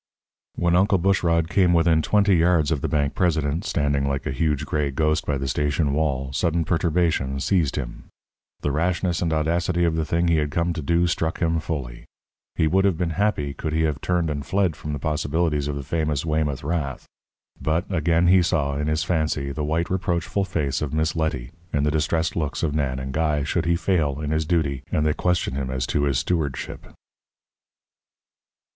When Uncle Bushrod came within twenty yards of the bank president, standing like a huge, gray ghost by the station wall, sudden perturbation seized him. The rashness and audacity of the thing he had come to do struck him fully. He would have been happy could he have turned and fled from the possibilities of the famous Weymouth wrath. But again he saw, in his fancy, the white reproachful face of Miss Letty, and the distressed looks of Nan and Guy, should he fail in his duty and they question him as to his stewardship.